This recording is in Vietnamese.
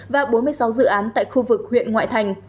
và bốn mươi sáu dự án tại khu vực huyện ngoại thành